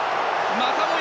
またもや